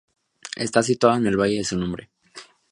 Está situado en el Valle de su nombre.